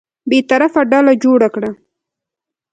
بېطرفه ډله جوړه کړه.